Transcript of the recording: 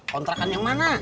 kontrakan yang mana